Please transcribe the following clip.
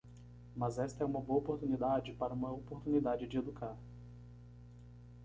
Mas esta é uma boa oportunidade para uma oportunidade de educar.